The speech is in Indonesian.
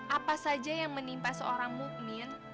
apa saja yang menimpa seorang mukmin